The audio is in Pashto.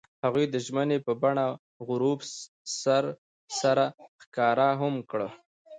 هغوی د ژمنې په بڼه غروب سره ښکاره هم کړه.